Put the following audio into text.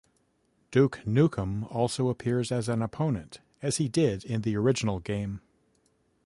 Duke Nukem also appears as an opponent, as he did in the original game.